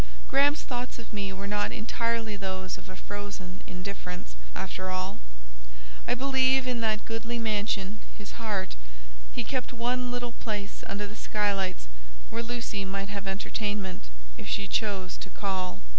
Graham's thoughts of me were not entirely those of a frozen indifference, after all. I believe in that goodly mansion, his heart, he kept one little place under the sky lights where Lucy might have entertainment, if she chose to call.